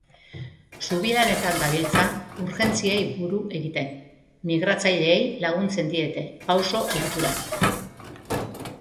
Zubi lanetan dabiltza urgentziei buru egiten, migratzaileei laguntzen diete, pauso-egituran.